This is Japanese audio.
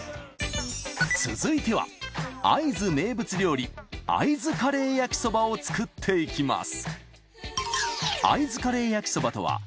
続いては会津名物料理会津カレー焼きそばを作っていきます